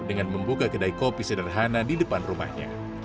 dengan membuka kedai kopi sederhana di depan rumahnya